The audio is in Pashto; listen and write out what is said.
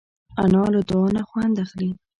انا له دعا نه خوند اخلي